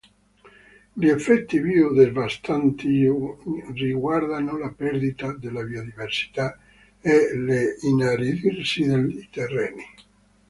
Gli effetti più devastanti riguardano la perdita della biodiversità e l'inaridirsi dei terreni.